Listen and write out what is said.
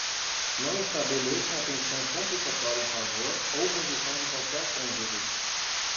Não estabeleça uma pensão compensatória em favor ou posição de qualquer cônjuge.